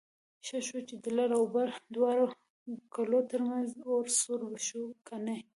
ښه شو چې د لر او بر دواړو کلو ترمنځ اور سوړ شو کني...